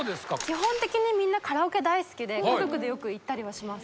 基本的にみんなカラオケ大好きで家族でよく行ったりはします